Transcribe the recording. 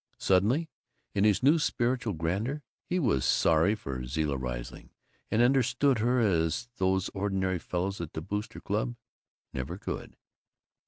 Suddenly, in his new spiritual grandeur, he was sorry for Zilla Riesling, and understood her as these ordinary fellows at the Boosters' Club never could.